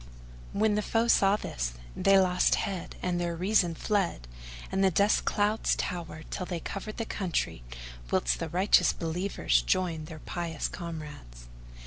When the foe saw this, they lost head and their reason fled, and the dust clouds towered till they covered the country whilst the righteous Believers joined their pious comrades.